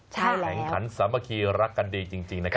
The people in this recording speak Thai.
ใช่แล้วแห่งคันสามคีรักกันดีจริงนะครับ